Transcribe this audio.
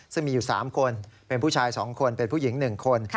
ซึ่งมีอยู่๓คนเป็นผู้ชาย๒คนเป็นผู้หญิง๑คน